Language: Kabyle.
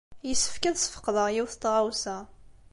Yessefk ad sfeqdeɣ yiwet n tɣawsa.